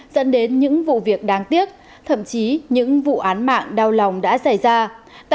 dẫn đến những vụ việc đáng tiếc thậm chí những vụ án mạng đau lòng đã xảy ra